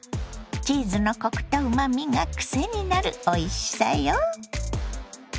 チーズのコクとうまみがクセになるおいしさよ。